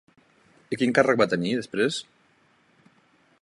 I quin càrrec va tenir, després?